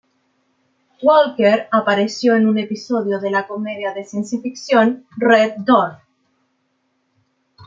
Walker apareció en un episodio de la comedia de ciencia ficción Red Dwarf.